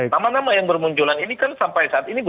nama nama yang bermunculan ini kan sampai saat ini belum